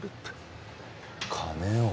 金を。